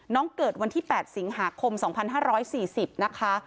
เกิดวันที่๘สิงหาคม๒๕๔๐นะคะ